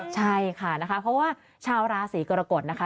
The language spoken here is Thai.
ใช่ค่ะนะคะเพราะว่าชาวราศีกรกฎนะคะ